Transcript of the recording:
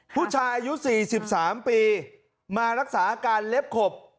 ผู้ชายอายุ๔๓ปีมารักษาอาการเล็บขบ